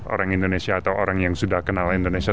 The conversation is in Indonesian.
orang indonesia atau orang yang sudah kenal indonesia